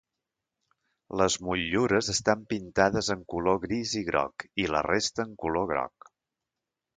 Les motllures estan pintades en color gris i groc i la resta en color groc.